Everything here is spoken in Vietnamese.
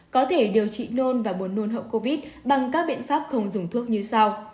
có thể điều trị nôn và buồn nôn hậu covid bằng các biện pháp không dùng thuốc như sau